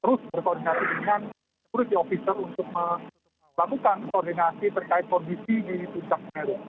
terus berkoordinasi dengan security officer untuk melakukan koordinasi terkait kondisi di puncak meru